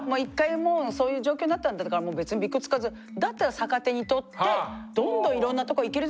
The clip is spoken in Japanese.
もうそういう状況になったんだからもう別にビクつかずだったら逆手にとってどんどんいろんなとこ行けるぞ！